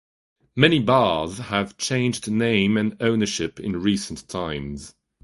Many bars have changed name and ownership in recent times.